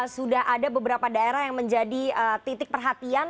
sudah ada beberapa daerah yang menjadi titik perhatian